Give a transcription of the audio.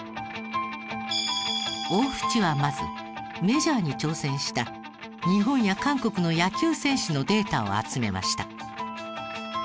大渕はまずメジャーに挑戦した日本や韓国の野球選手のデータを集めました。